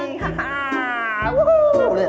ฮ้าโอ้โห